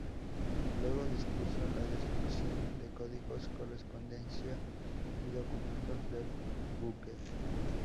Luego dispuso la destrucción de códigos, correspondencia y documentos del buque.